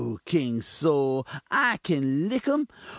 King Sol, I kin lick um.